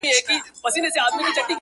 نه را ګرځي بیا د اوسپني په ملو -